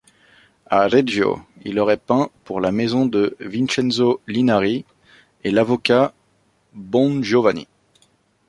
À Reggio, il aurait peint pour la maison de Vincenzo Linari et l'avocat Bongiovanni.